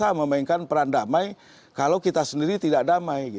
kita memainkan peran damai kalau kita sendiri tidak damai